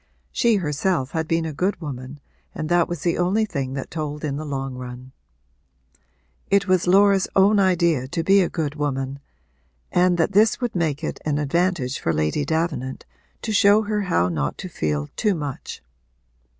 She herself had been a good woman and that was the only thing that told in the long run. It was Laura's own idea to be a good woman and that this would make it an advantage for Lady Davenant to show her how not to feel too much.